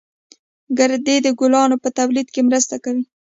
گردې د ګلانو په تولید کې مرسته کوي